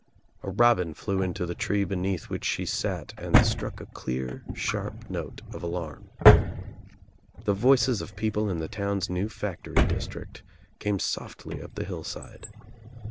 A robin flew into the tree beneath which she sat and struck a clear sharp note of alarm. The voices of people In the town's new factory district came softly up the hillside.